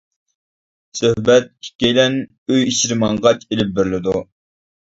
سۆھبەت ئىككىيلەن ئۆي ئىچىدە ماڭغاچ ئېلىپ بېرىلىدۇ.